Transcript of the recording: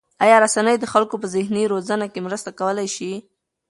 آیا رسنۍ د خلکو په ذهني روزنه کې مرسته کولای شي؟